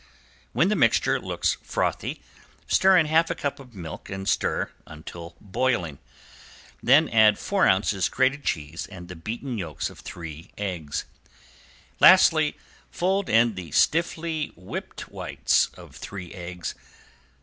When the mixture looks frothy stir in half a cup of milk and stir until boiling. Then add four ounces grated cheese and the beaten yolks of three eggs. Lastly fold in the stiffly whipped whites of three eggs.